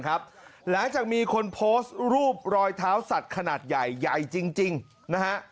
หลังจากมีคนโพสต์รูปรอยเท้าสัตว์ขนาดใหญ่ใหญ่จริงนะฮะ